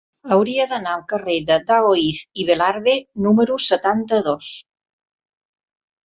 Hauria d'anar al carrer de Daoíz i Velarde número setanta-dos.